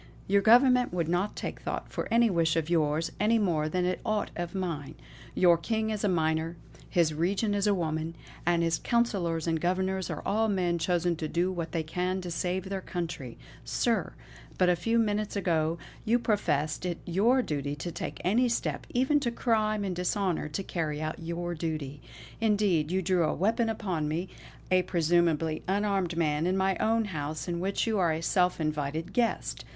Your Government would not take thought for any wish of yours, any more than for aught of mine. Your King is a minor; his regent is a woman, and his councillors and governors are all men chosen to do what they can to save their country. Sir, but a few minutes ago you professed it your duty to take any step, even to crime and dishonour, to carry out your duty. Indeed, you drew a weapon upon me, a presumably unarmed man, in my own house in which you are a self invited guest.